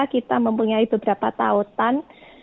kita mempunyai beberapa tautan